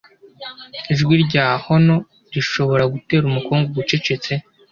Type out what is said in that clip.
ijwi rya honour rishobora gutera umukungugu ucecetse,